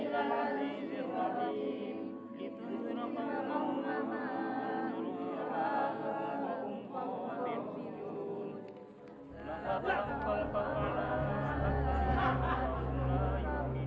harta yang menjadi hak anak anaknya